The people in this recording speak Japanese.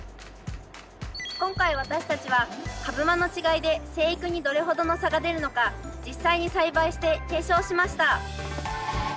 今回私たちは株間の違いで生育にどれほどの差が出るのか実際に栽培して検証しました。